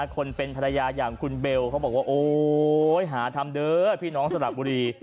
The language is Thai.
คนเป็นภรรยาอย่างคุณเบลเขาบอกว่าโอ๊ยหาทำเด้อพี่น้องสระบุรี